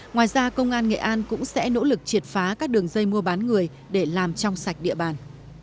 ngoài ra công an nghệ an cũng sẽ nỗ lực triệt phá các đường dây mua bán người để làm trong sạch địa bàn